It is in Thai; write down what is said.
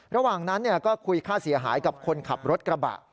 ระหว่างนั้นก็คุยค่าเสียหายกับคนขับรถกระบะ